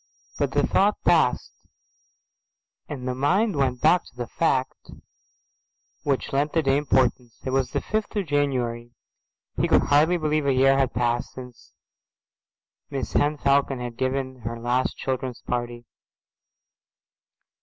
But the thought palled, and the mind went back to the fact which lent the day importance. It was the fifth of January. He could hardly believe a year had passed since Mrs Henne Falcon had given her last children's party.